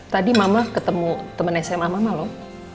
tadi mama ketemu teman sma mama loh